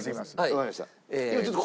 わかりました。